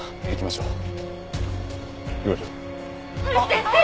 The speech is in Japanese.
行きましょう。